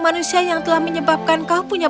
manusia yang telah menyebabkan kau punya